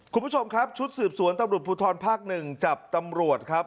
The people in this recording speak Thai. คุณผู้ชมครับชุดสืบสวนตำรวจภูทรภาค๑จับตำรวจครับ